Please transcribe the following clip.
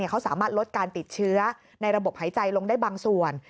เขาสามารถลดการติดเชื้อในระบบหายใจลงได้บางส่วน